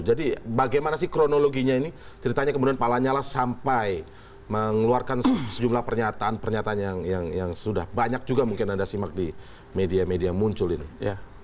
jadi bagaimana sih kronologinya ini ceritanya kemudian pak lanyala sampai mengeluarkan sejumlah pernyataan pernyataan yang sudah banyak juga mungkin anda simak di media media muncul ini